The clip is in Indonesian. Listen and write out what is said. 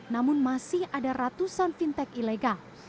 namun masih ada ratusan fintech ilegal